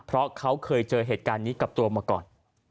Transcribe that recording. เพราะเขาเคยเจอเหตุการณ์นี้กับตัวมาก่อน